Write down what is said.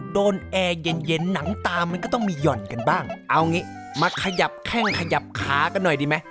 แอร์เย็นเย็นหนังตามันก็ต้องมีห่อนกันบ้างเอางี้มาขยับแข้งขยับขากันหน่อยดีไหม